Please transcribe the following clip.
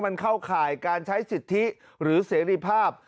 มันเข้าข่ายการใช้สิทธิหรือเสรีภาพ